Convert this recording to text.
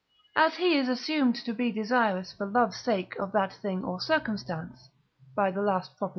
As he is assumed to be desirous for love's sake of that thing or circumstance (by the last Prop.)